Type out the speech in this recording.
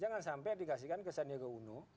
jangan sampai dikasihkan kesannya ke uno